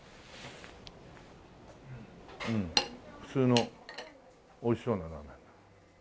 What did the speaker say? うん普通の美味しそうなラーメン。